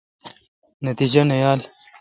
نتیجہ نہ یال۔